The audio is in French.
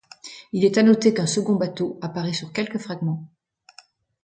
Il est à noter qu'un second bateau apparaît sur quelques fragments.